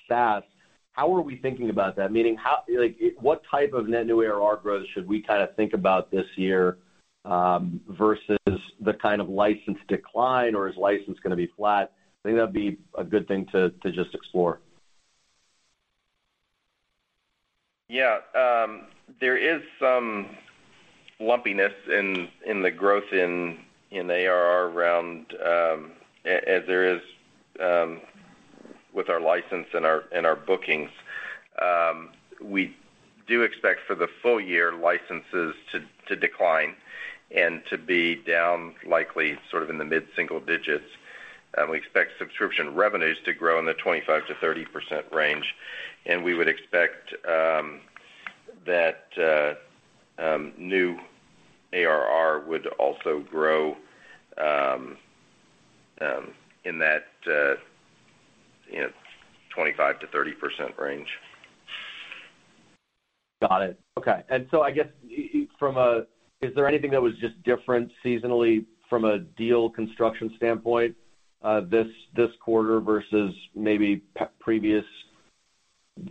SaaS, how are we thinking about that? Meaning how Like, what type of net new ARR growth should we kind of think about this year, versus the kind of license decline, or is license gonna be flat? I think that'd be a good thing to just explore. Yeah. There is some lumpiness in the growth in ARR around, as there is with our licenses and our bookings. We do expect for the full year licenses to decline and to be down likely sort of in the mid-single digits. We expect subscription revenues to grow in the 25%-30% range, and we would expect that new ARR would also grow in that, you know, 25%-30% range. Got it. Okay. I guess, from a, is there anything that was just different seasonally from a deal construction standpoint, this quarter versus maybe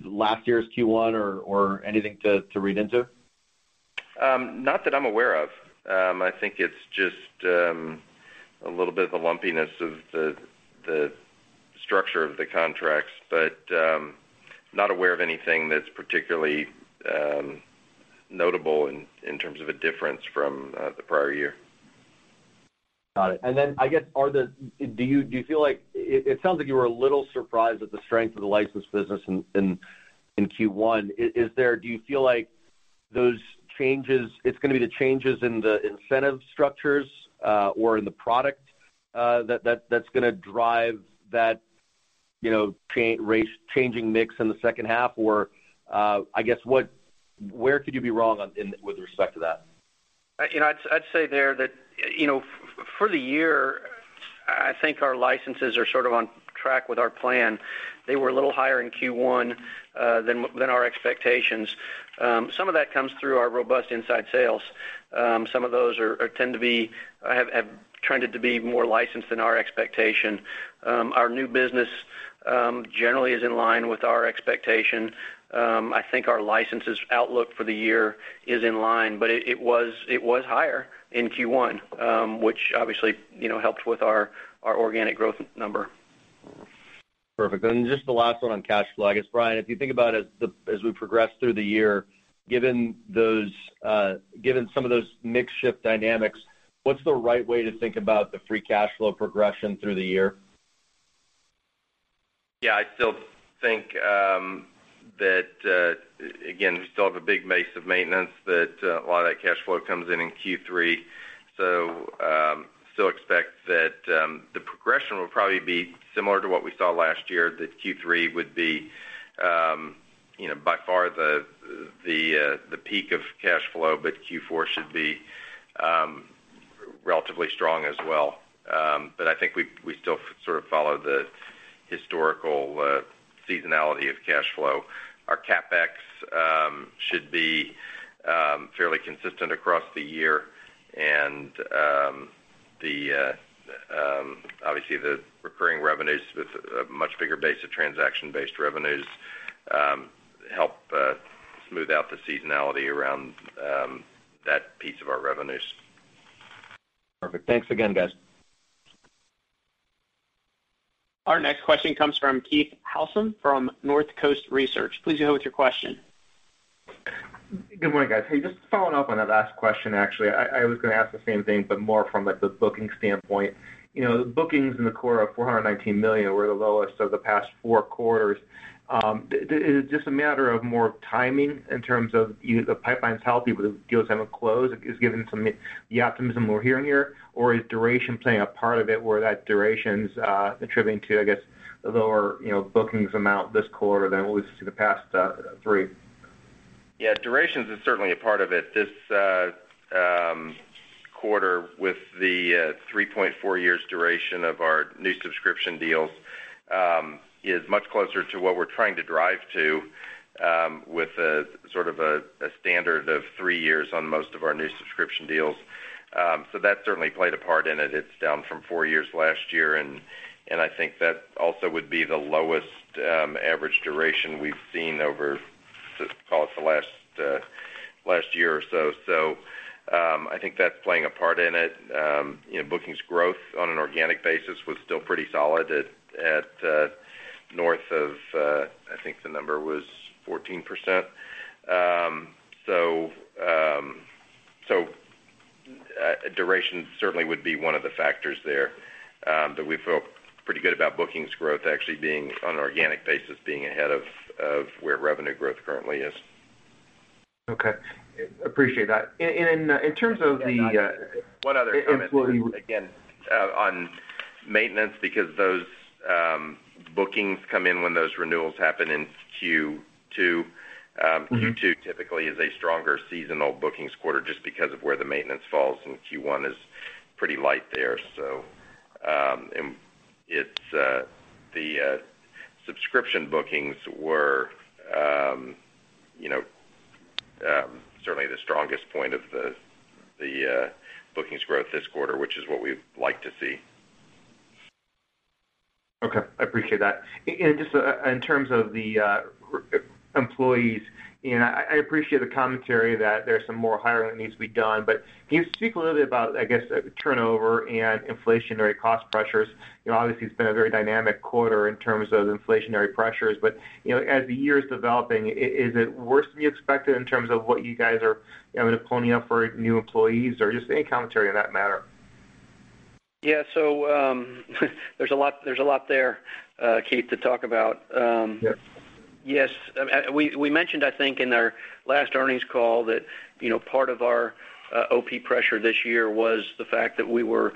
last year's Q1 or anything to read into? Not that I'm aware of. I think it's just a little bit of the lumpiness of the structure of the contracts, but not aware of anything that's particularly notable in terms of a difference from the prior year. Got it. Then I guess, do you feel like it sounds like you were a little surprised at the strength of the licensed business in Q1? Do you feel like it's gonna be the changes in the incentive structures or in the product that's gonna drive that, you know, changing mix in the second half? I guess, where could you be wrong with respect to that? You know, I'd say that there, you know, for the year, I think our licenses are sort of on track with our plan. They were a little higher in Q1 than our expectations. Some of that comes through our robust inside sales. Some of those tend to have trended to be more licensed than our expectation. Our new business generally is in line with our expectation. I think our licenses outlook for the year is in line, but it was higher in Q1, which obviously, you know, helped with our organic growth number. Perfect. Then just the last one on cash flow. I guess, Brian, if you think about it, as we progress through the year, given some of those mix shift dynamics, what's the right way to think about the free cash flow progression through the year? Yeah, I still think that again we still have a big base of maintenance that a lot of that cash flow comes in in Q3. Still expect that the progression will probably be similar to what we saw last year, that Q3 would be, you know, by far the peak of cash flow, but Q4 should be relatively strong as well. But I think we still sort of follow the historical seasonality of cash flow. Our CapEx should be fairly consistent across the year. Obviously, the recurring revenues with a much bigger base of transaction-based revenues help smooth out the seasonality around that piece of our revenues. Perfect. Thanks again, guys. Our next question comes from Keith Housum from Northcoast Research. Please go ahead with your question. Good morning, guys. Hey, just following up on that last question, actually. I was gonna ask the same thing, but more from, like, the booking standpoint. You know, the bookings in the quarter of $419 million were the lowest of the past four quarters. Is it just a matter of more of timing in terms of the pipeline's healthy, but the deals haven't closed, given some, the optimism we're hearing here, or is duration playing a part of it where that duration's attributing to, I guess, the lower, you know, bookings amount this quarter than we've seen the past three? Yeah. Duration is certainly a part of it. This quarter with the 3.4 years duration of our new subscription deals is much closer to what we're trying to drive to with a standard of three years on most of our new subscription deals. That certainly played a part in it. It's down from four years last year, and I think that also would be the lowest average duration we've seen over just, call it, the last year or so. I think that's playing a part in it. You know, bookings growth on an organic basis was still pretty solid at north of, I think the number was 14%. Duration certainly would be one of the factors there. We feel pretty good about bookings growth actually being on an organic basis, being ahead of where revenue growth currently is. Okay. Appreciate that. In terms of the. One other comment. Employees- Again, on maintenance, because those bookings come in when those renewals happen in Q2. Q2 typically is a stronger seasonal bookings quarter just because of where the maintenance falls, and Q1 is pretty light there. It's the subscription bookings were, you know, certainly the strongest point of the bookings growth this quarter, which is what we'd like to see. Okay. I appreciate that. Just in terms of the employees, and I appreciate the commentary that there's some more hiring that needs to be done. Can you speak a little bit about, I guess, turnover and inflationary cost pressures? You know, obviously, it's been a very dynamic quarter in terms of inflationary pressures, but, you know, as the year is developing, is it worse than you expected in terms of what you guys are having to pony up for new employees? Or just any commentary on that matter. Yeah. There's a lot there, Keith, to talk about. Yeah. Yes. We mentioned, I think, in our last earnings call that, you know, part of our OpEx pressure this year was the fact that we were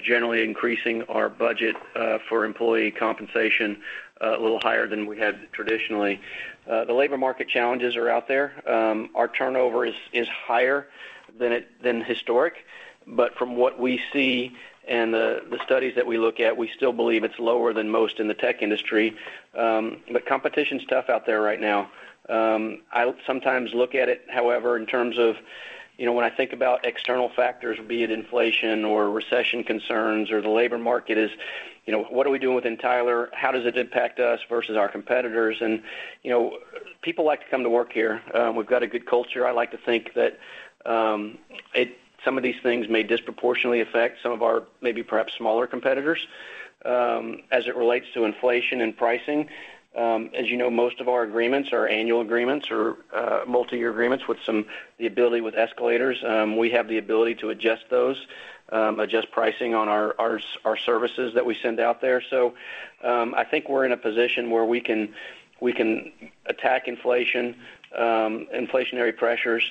generally increasing our budget for employee compensation a little higher than we had traditionally. The labor market challenges are out there. Our turnover is higher than historical. But from what we see and the studies that we look at, we still believe it's lower than most in the tech industry. But competition's tough out there right now. I sometimes look at it, however, in terms of, you know, when I think about external factors, be it inflation or recession concerns or the labor market is. You know, what are we doing within Tyler? How does it impact us versus our competitors? You know, people like to come to work here. We've got a good culture. I like to think that some of these things may disproportionately affect some of our maybe perhaps smaller competitors, as it relates to inflation and pricing. As you know, most of our agreements are annual agreements or multiyear agreements with some ability with escalators. We have the ability to adjust those, adjust pricing on our services that we send out there. I think we're in a position where we can attack inflation, inflationary pressures.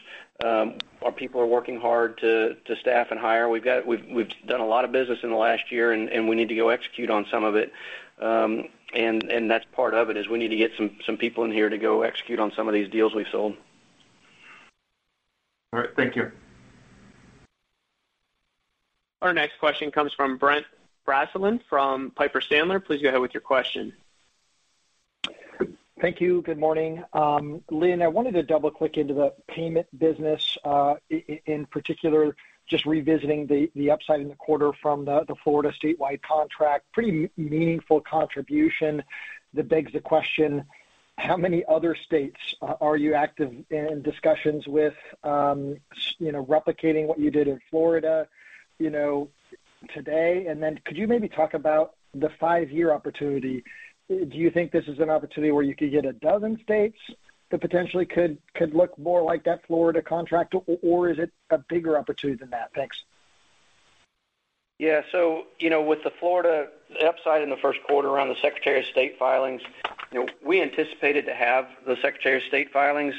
Our people are working hard to staff and hire. We've done a lot of business in the last year, and we need to go execute on some of it. That's part of it, is we need to get some people in here to go execute on some of these deals we've sold. All right. Thank you. Our next question comes from Brent Bracelin from Piper Sandler. Please go ahead with your question. Thank you. Good morning. Lynn, I wanted to double-click into the payment business, in particular, just revisiting the upside in the quarter from the Florida statewide contract, pretty meaningful contribution that begs the question, how many other states are you active in discussions with, you know, replicating what you did in Florida, you know, today? Then could you maybe talk about the five-year opportunity? Do you think this is an opportunity where you could get a dozen states that potentially could look more like that Florida contract, or is it a bigger opportunity than that? Thanks. You know, with the Florida upside in the first quarter on the Secretary of State filings, you know, we anticipated to have the Secretary of State filings.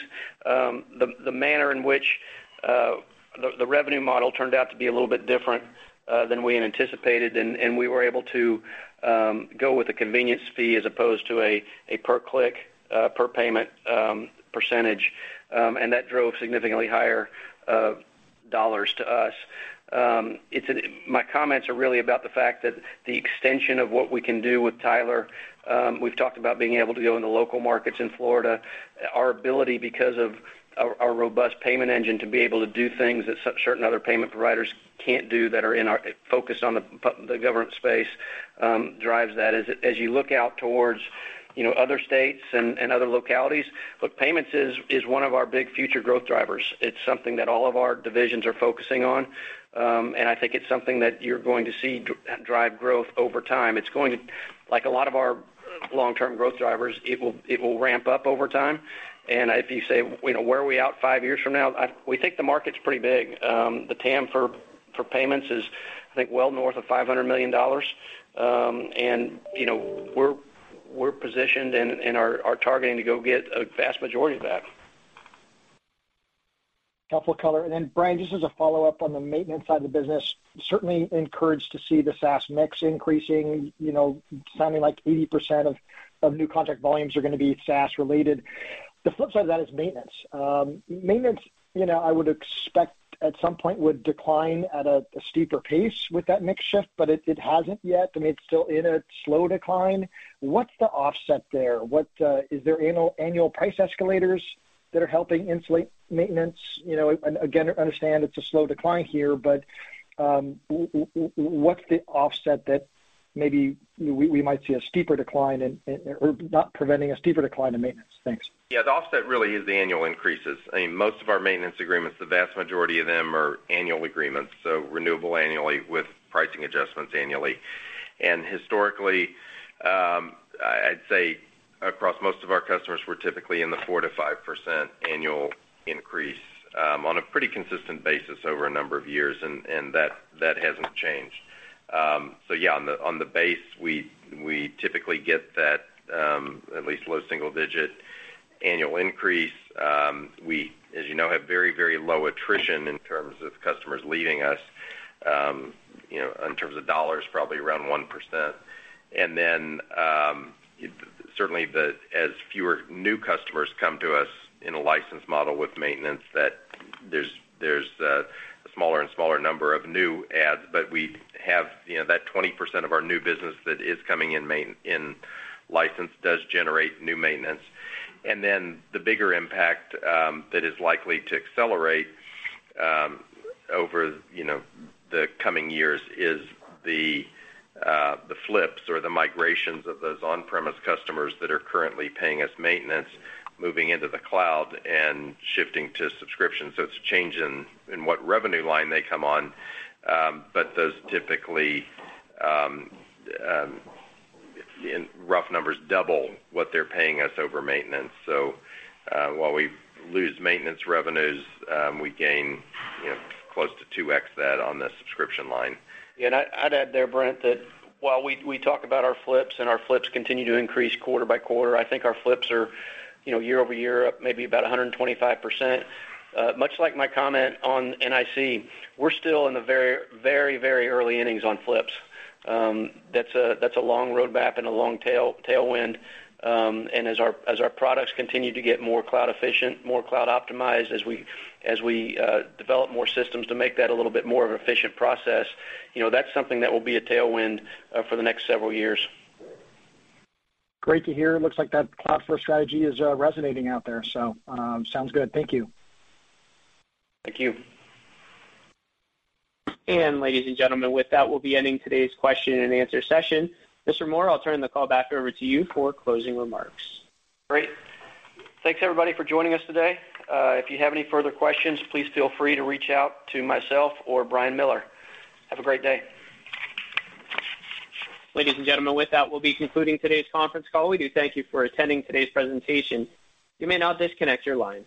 The manner in which the revenue model turned out to be a little bit different than we had anticipated, and we were able to go with a convenience fee as opposed to a per click per payment percentage, and that drove significantly higher dollars to us. My comments are really about the fact that the extension of what we can do with Tyler, we've talked about being able to go into local markets in Florida. Our ability because of our robust payment engine to be able to do things that certain other payment providers can't do that are focused on the government space drives that. As you look out towards, you know, other states and other localities, look, payments is one of our big future growth drivers. It's something that all of our divisions are focusing on, and I think it's something that you're going to see drive growth over time. It's going to, like a lot of our long-term growth drivers, ramp up over time. If you say, you know, where are we out five years from now, we think the market's pretty big. The TAM for payments is, I think, well north of $500 million. You know, we're positioned and are targeting to go get a vast majority of that. Helpful color. Then, Brian, just as a follow-up on the maintenance side of the business, certainly encouraged to see the SaaS mix increasing, you know, sounding like 80% of new contract volumes are gonna be SaaS related. The flip side of that is maintenance. Maintenance, you know, I would expect at some point would decline at a steeper pace with that mix shift, but it hasn't yet. I mean, it's still in a slow decline. What's the offset there? What is there annual price escalators that are helping insulate maintenance? You know, and again, I understand it's a slow decline here, but what's the offset that maybe we might see a steeper decline in or not preventing a steeper decline in maintenance? Thanks. Yeah. The offset really is the annual increases. I mean, most of our maintenance agreements, the vast majority of them are annual agreements, so renewable annually with pricing adjustments annually. Historically, I'd say across most of our customers, we're typically in the 4%-5% annual increase on a pretty consistent basis over a number of years, and that hasn't changed. Yeah, on the base, we typically get that at least low single-digit annual increase. We, as you know, have very, very low attrition in terms of customers leaving us, you know, in terms of dollars, probably around 1%. Then, certainly, as fewer new customers come to us in a license model with maintenance, that there's a smaller and smaller number of new adds. We have, you know, that 20% of our new business that is coming in in license does generate new maintenance. The bigger impact that is likely to accelerate over, you know, the coming years is the flips or the migrations of those on-premise customers that are currently paying us maintenance, moving into the cloud and shifting to subscriptions. It's a change in what revenue line they come on. Those typically in rough numbers double what they're paying us over maintenance. While we lose maintenance revenues, we gain, you know, close to 2x that on the subscription line. Yeah. I'd add there, Brent, that while we talk about our flips and our flips continue to increase quarter by quarter, I think our flips are, you know, year-over-year up maybe about 125%. Much like my comment on NIC, we're still in the very early innings on flips. That's a long road map and a long tailwind. As our products continue to get more cloud efficient, more cloud optimized, as we develop more systems to make that a little bit more of an efficient process, you know, that's something that will be a tailwind for the next several years. Great to hear. It looks like that cloud-first strategy is resonating out there, so sounds good. Thank you. Thank you. Ladies and gentlemen, with that, we'll be ending today's question and answer session. Mr. Moore, I'll turn the call back over to you for closing remarks. Great. Thanks, everybody, for joining us today. If you have any further questions, please feel free to reach out to myself or Brian Miller. Have a great day. Ladies and gentlemen, with that, we'll be concluding today's conference call. We do thank you for attending today's presentation. You may now disconnect your lines.